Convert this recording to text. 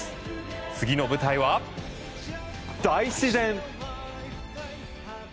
次の舞台は、大自然！